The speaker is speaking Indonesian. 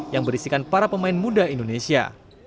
yang berisikan para pemain muda indonesia